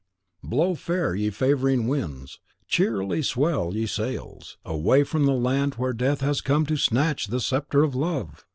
Blow fair, ye favouring winds; cheerily swell, ye sails; away from the land where death has come to snatch the sceptre of Love!